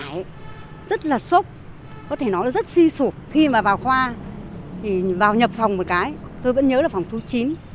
tôi rất là xúc có thể nói rất suy sụp khi mà vào khoa thì vào nhập phòng một cái tôi vẫn nhớ là phòng phú chín